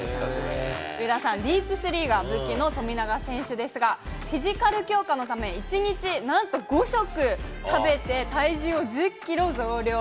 上田さん、ディープスリーが武器の富永選手ですが、フィジカル強化のため、１日なんと５食、食べて、体重を１０キロ増量。